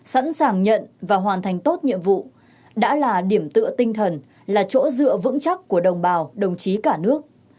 sẵn sàng nhận và hoàn thành tốt nhiệm vụ đã là điểm tựa tinh thần là chỗ dựa vững chắc của đồng bào đồng chí cả nước